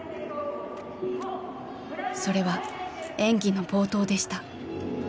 それは演技の冒頭でした。